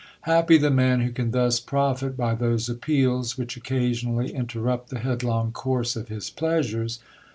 Happy the man who can thus profit by those appeals, which occasionally interrupt the headlong course of his pleasures